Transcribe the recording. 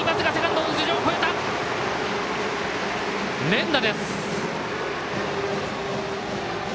連打です。